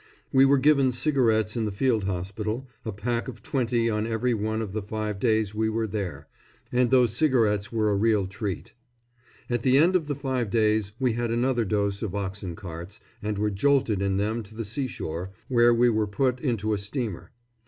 We were given cigarettes in the field hospital a packet of twenty on every one of the five days we were there; and those cigarettes were a real treat. At the end of the five days we had another dose of oxen carts, and were jolted in them to the seashore, where we were put into a steamer.